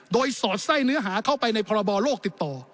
โดยสอดไส้เนื้อหาเข้าไปในพรบโลกติดต่อ